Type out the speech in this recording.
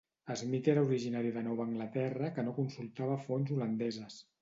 Smith era originari de Nova Anglaterra que no consultava fonts holandeses.